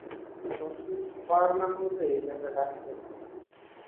অথচ দশ মিনিট পার না-হতেই ব্যাটা ডাকতে এসেছে।